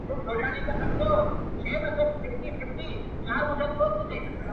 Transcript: • سړیتوب په ښو اوصافو حاصلېږي,